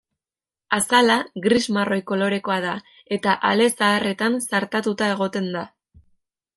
Azala, gris-marroi kolorekoa da eta ale zaharretan zartatua egoten da.